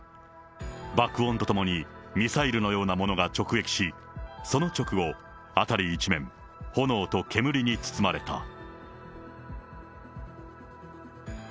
爆音と共に、ミサイルのようなものが直撃し、その直後、辺り一面、炎と煙に包まれた。